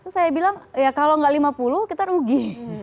saya bilang ya kalau nggak lima puluh kita rugi